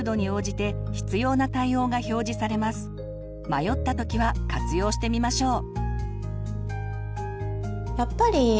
迷った時は活用してみましょう。